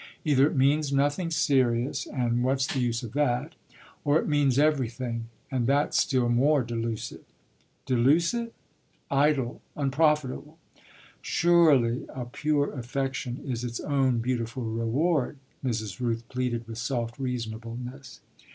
Either it means nothing serious, and what's the use of that? or it means everything, and that's still more delusive." "Delusive?" "Idle, unprofitable." "Surely a pure affection is its own beautiful reward," Mrs. Rooth pleaded with soft reasonableness.